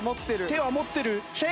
手は持ってる。